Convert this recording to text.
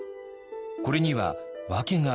これには訳があるといいます。